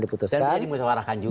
dan bisa dimusyawarahkan juga